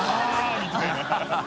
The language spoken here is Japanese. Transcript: みたいな。